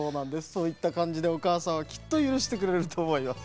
そういったかんじでおかあさんはきっとゆるしてくれるとおもいます。